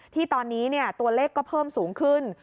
ที่ตอนนี้ตัวเลขก็เพิ่มสูงขึ้น